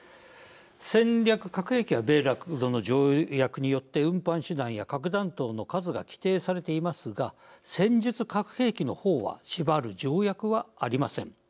戦略核兵器は米ロの条約によって運搬手段や核弾頭の数が規定されていますが戦力核兵器の方はしばる条約はありません。